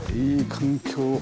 いい環境。